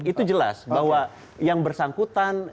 itu jelas bahwa yang bersangkutan